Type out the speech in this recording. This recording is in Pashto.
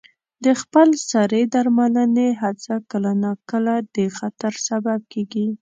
د خپل سرې درملنې هڅه کله ناکله د خطر سبب کېږي.